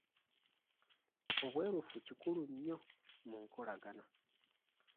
Obwerufu kikulu nnyo mu nkolagana.